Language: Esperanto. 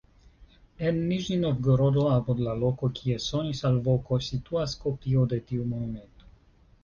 En Niĵni-Novgorodo, apud la loko, kie sonis alvoko, situas kopio de tiu monumento.